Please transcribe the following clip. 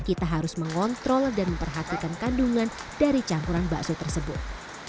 kita harus mengontrol dan memperhatikan kandungan dari campuran bakso tersebut